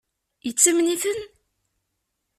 Yettamen-iten?